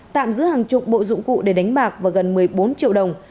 tạm giữ hàng chục bộ dụng cụ để đánh bạc và gần một mươi bốn triệu đồng